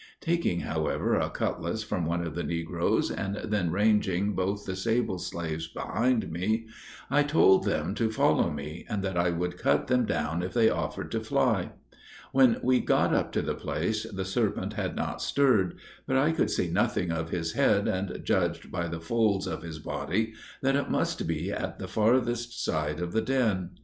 Taking, however, a cutlass from one of the negroes, and then ranging both of the sable slaves behind me, I told them to follow me, and that I would cut them down if they offered to fly. When we had got up to the place, the serpent had not stirred: but I could see nothing of his head, and judged by the folds of his body that it must be at the farthest side of the den.